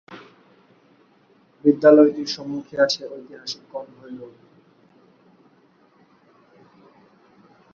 বিদ্যালয়টির সম্মুখে আছে ঐতিহাসিক কনভয় রোড।